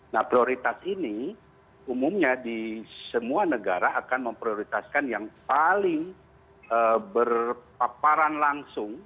nah prioritas ini umumnya di semua negara akan memprioritaskan yang paling berpaparan langsung